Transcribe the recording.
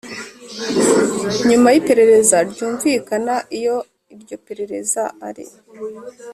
nyuma y iperereza ryumvikana iyo iryo perereza ari